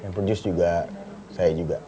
yang produce juga saya juga